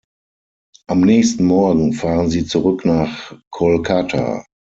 Am nächsten Morgen fahren sie zurück nach Kolkata.